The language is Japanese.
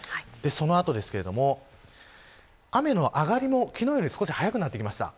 その後、雨の上がりも昨日より少し早くなってきました。